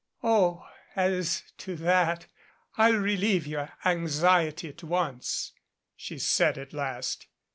"Oh, as to that, I'll relieve your anxiety at once," she said at last.